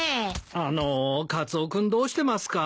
あのカツオ君どうしてますか？